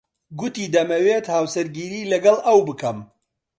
گوتی دەمەوێت هاوسەرگیری لەگەڵ ئەو بکەم.